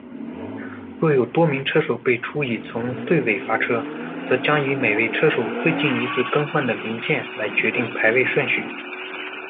若有多名车手被处以从队尾发车，则将以每位车手最近一次更换的零件来决定排位顺序。